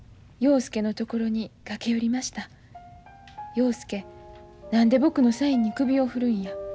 『陽介何で僕のサインに首を振るんや』。